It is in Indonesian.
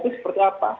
bahwa itu seperti apa